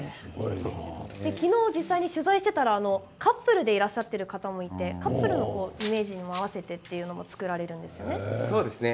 実際取材をしていたらカップルでいらっしゃっている方もいてカップルのイメージにも合わせて作られるんですよね。